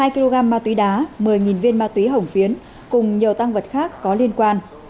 hai kg ma túy đá một mươi viên ma túy hồng phiến cùng nhiều tăng vật khác có liên quan